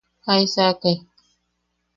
¿Jaisaakai?